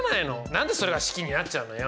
何でそれが式になっちゃうのよ。